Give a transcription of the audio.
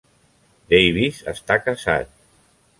Davis està casat.